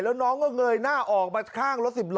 แล้วน้องก็เงยหน้าออกมาข้างรถสิบล้อ